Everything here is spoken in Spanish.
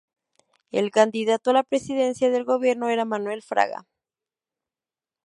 El candidato a la presidencia del gobierno era Manuel Fraga.